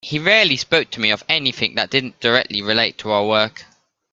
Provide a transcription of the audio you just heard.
He rarely spoke to me of anything that didn't directly relate to our work.